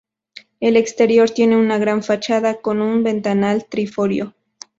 El exterior tiene una gran fachada, con un ventanal triforio.